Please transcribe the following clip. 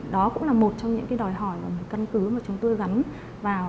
đó cũng là một trong những đòi hỏi và một căn cứ mà chúng tôi gắn vào